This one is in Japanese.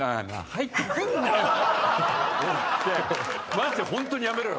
マジでホントにやめろよ。